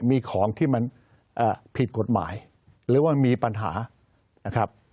มีของที่มันผิดกฎหมายหรือว่ามีปัญหานะครับ